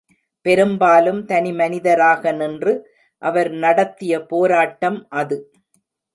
பெரும்பாலும் தனிமனிதராக நின்று அவர் நடத்திய போரட்டம் அது.